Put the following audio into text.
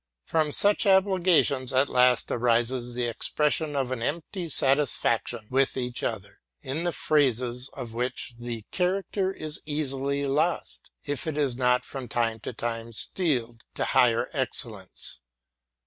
From such obligations at last arises the expression of an empty satisfac tion with each other, in the phrases of which a character is easily lost if it is not from time to time steeled to higher excellence.